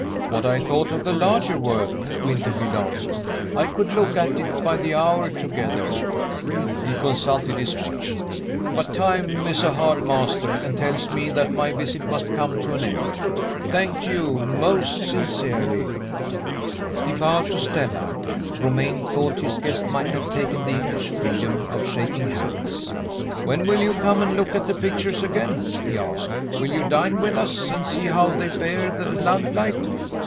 "What I thought of the larger work," Winterfield answered. "I could look at it by the hour together." He consulted his watch. "But time is a hard master, and tells me that my visit must come to an end. Thank you, most sincerely." He bowed to Stella. Romayne thought his guest might have taken the English freedom of shaking hands. "When will you come and look at the pictures again?" he asked. "Will you dine with us, and see how they bear the lamplight?"